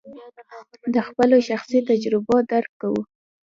د خپلو شخصي تجربو درک کوو.